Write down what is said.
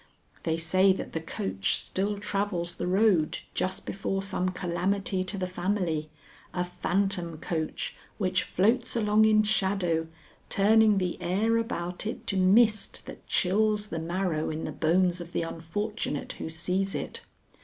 They say that the coach still travels the road just before some calamity to the family, a phantom coach which floats along in shadow, turning the air about it to mist that chills the marrow in the bones of the unfortunate who sees it.